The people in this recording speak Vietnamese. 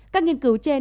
các nghiên cứu trên